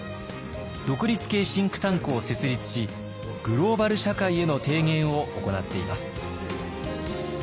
独立系シンクタンクを設立しグローバル社会への提言を行っています。